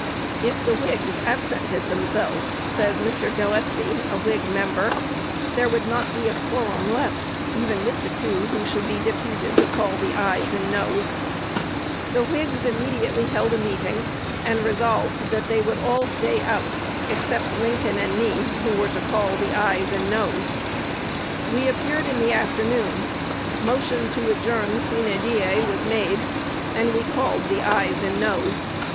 "If the Whigs absented themselves," says Mr. Gillespie, a Whig member, "there would not be a quorum left, even with the two who should be deputed to call the ayes and noes. The Whigs immediately held a meeting, and resolved that they would all stay out, except Lincoln and me, who were to call the ayes and noes. We appeared in the afternoon: motion to adjourn sine die was made, and we called the ayes and noes.